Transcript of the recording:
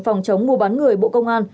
phòng chống ngu bán người bộ công an